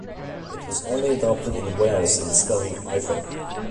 It was also adopted in Wales in the spelling Ifor.